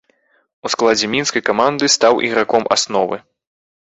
У складзе мінскай каманды стаў іграком асновы.